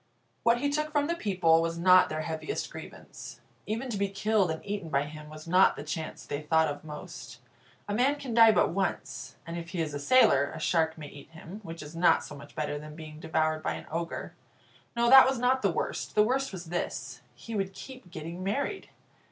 What he took from the people was not their heaviest grievance. Even to be killed and eaten by him was not the chance they thought of most. A man can die but once; and if he is a sailor, a shark may eat him, which is not so much better than being devoured by an ogre. No, that was not the worst. The worst was this he would keep getting married.